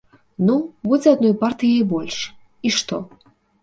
Ну, будзе адной партыяй больш, і што?